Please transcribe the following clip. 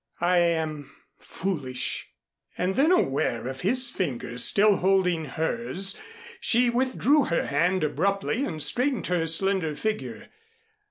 "I am foolish." And then aware of his fingers still holding hers, she withdrew her hand abruptly and straightened her slender figure.